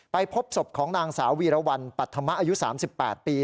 พบศพของนางสาววีรวรรณปรัฐธรรมะอายุ๓๘ปี